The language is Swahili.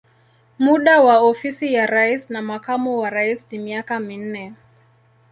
Muda wa ofisi ya rais na makamu wa rais ni miaka minne.